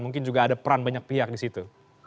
mungkin juga ada peran banyak pihak disitu